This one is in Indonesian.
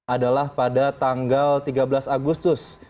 adalah pada tanggal tiga belas agustus